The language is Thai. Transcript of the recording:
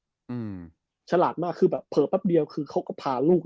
อืมฉลาดมากคือแบบแรงเพราะแบบเดียวคือเค้าก็พาลูก